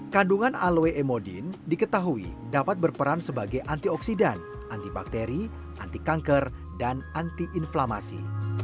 kandungan aloe emodin diketahui dapat berperan sebagai antioksidan antibakteri antikanker dan antiinflamasi